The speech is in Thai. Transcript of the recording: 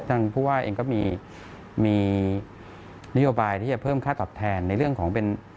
ทางผู้ว่าเองก็มีนโยบายที่จะเพิ่มค่าตอบแทนในเรื่องของเป็น